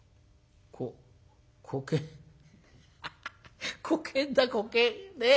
ここけハハハこけんだこけんねえ。